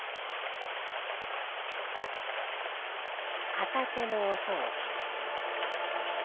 片手の音を聞け。